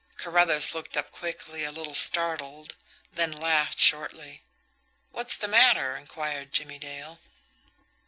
Carruthers looked up quickly, a little startled; then laughed shortly. "What's the matter?" inquired Jimmie Dale.